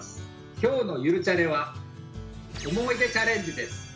今日の「ゆるチャレ」は思い出チャレンジです。